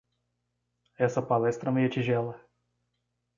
Essa palestra meia-tigela